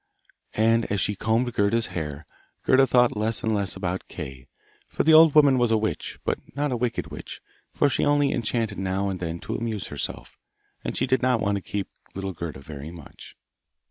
And as she combed Gerda's hair, Gerda thought less and less about Kay, for the old woman was a witch, but not a wicked witch, for she only enchanted now and then to amuse herself, and she did want to keep little Gerda very much.